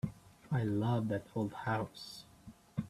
I love that old house.